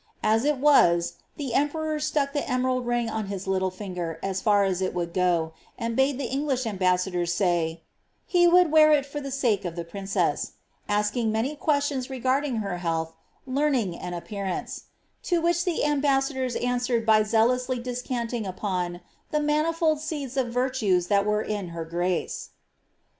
As it was, the emperor stack the emerald ring on his little finger as &r as it would go, and bade ihe English ambassadors say, ^ he would wear it for the sake of the princess," asking many questions regarding her health, learning, and ap paarance ; to which the ambassadors answered by zealously descanting apoD the ^ manifold seeds of virtues that were in her grace."